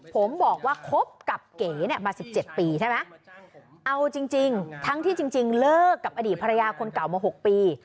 ผมบอกว่าคบกับเก๋เนี่ยมา๑๗ปีใช่ไหมเอาจริงทั้งที่จริงเลิกกับอดีตภรรยาคนเก่ามา๖ปี